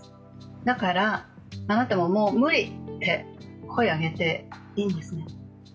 だから、あなたももう無理って声を上げていいんですね。